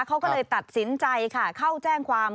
เขาก็เลยตัดสินใจค่ะเข้าแจ้งความ